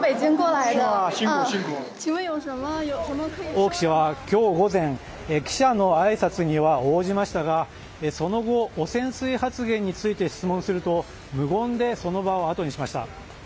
王毅氏は今日午前記者のあいさつには応じましたがその後、汚染水発言について質問すると無言でその場をあとにしました。